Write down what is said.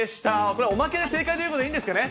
これはおまけで正解ということでいいんですかね。